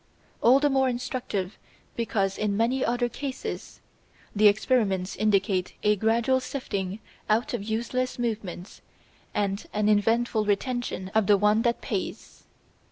All the more instructive because in many other cases the experiments indicate a gradual sifting out of useless movements and an eventful retention of the one that pays.